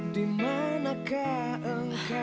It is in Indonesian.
dimanakah engkau berada